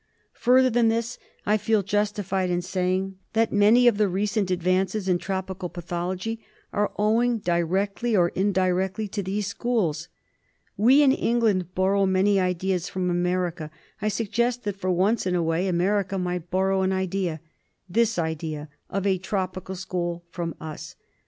Further than this, I feel justified in saying that many of the recent advances in tropical pathology are owing directly or indirectly to these schools. We in England borrow many ideas from America; I suggest that, for once in a way, America might borrow an idea — this idea of a tropical school — from us.